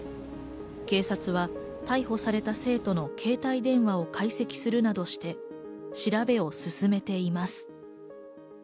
警察は逮捕された生徒の携帯電話を解析するなどして調べを進めています。